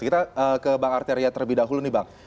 kita ke bang arteria terlebih dahulu nih bang